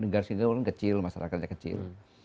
negara singapura itu kecil masyarakatnya kecil